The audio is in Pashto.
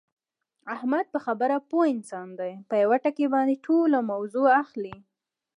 احمد په خبره پوه انسان دی، په یوه ټکي باندې ټوله موضع اخلي.